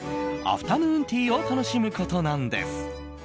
アフタヌーンティーを楽しむことなんです。